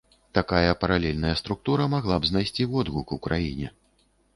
Такая паралельная структура магла б знайсці водгук у краіне.